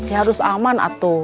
ya harus aman atu